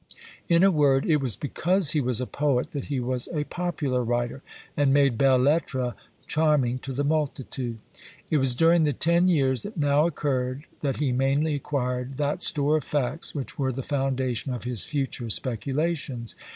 In a word, it was because he was a poet, that he was a popular writer, and made belles lettres charming to the multitude. It was during the ten years that now occurred that he mainly acquired that store of facts which were the foundation of his future speculations.